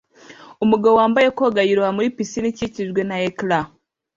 Umugabo wambaye koga yiroha muri pisine ikikijwe na ecran